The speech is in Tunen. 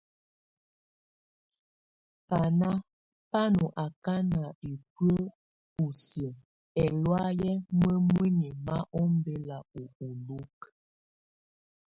Bana bá nɔ̀ akana hibuǝ́ ù siǝ́ ɛlɔ̀áyɛ mǝmuinyii ma ɔmbɛla ù ulukǝ.